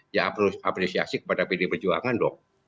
ya apresiasi kepada pd perjuangan dong